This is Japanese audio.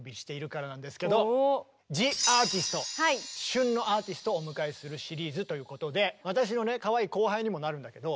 旬のアーティストをお迎えするシリーズということで私のねかわいい後輩にもなるんだけど。